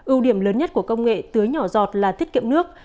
ưu điểm lớn nhất của công nghệ tưới nhỏ giọt là thiết kiệm nước